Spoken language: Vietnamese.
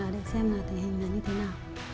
để xem tình hình là như thế nào